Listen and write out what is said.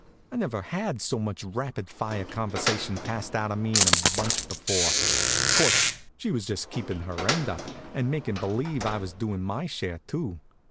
I never had so much rapid fire conversation passed out to me all in a bunch before. Course, she was just keepin' her end up, and makin' believe I was doing my share, too.